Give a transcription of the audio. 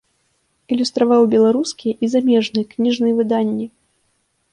Ілюстраваў беларускія і замежныя кніжныя выданні.